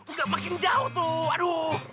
udah makin jauh tuh aduh